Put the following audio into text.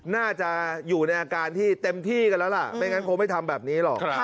น่าจะอยู่ในอาการที่เต็มที่กันแล้วล่ะไม่งั้นคงไม่ทำแบบนี้หรอก